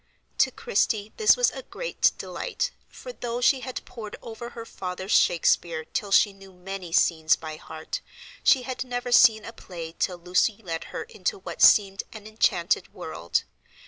To Christie this was a great delight, for, though she had pored over her father's Shakespeare till she knew many scenes by heart, she had never seen a play till Lucy led her into what seemed an enchanted world.